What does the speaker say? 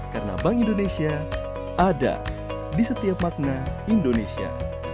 karena bank indonesia ada di setiap makna indonesia